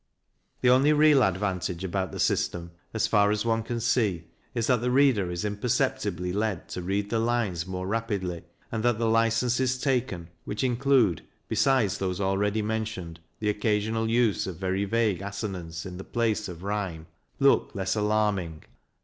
The only real advantage about the system, as far as one can see, is that the reader is imperceptibly led to read the lines more rapidly, and that the licences taken, which include, besides those already mentioned, the occasional use of very vague assonance in the place of rhyme, 1 look less alarming.